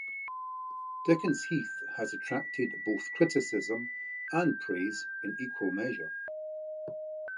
Dickens Heath has attracted both criticism and praise in equal measure.